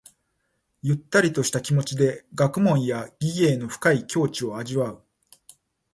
ゆったりとした気持ちで学問や技芸の深い境地を味わう。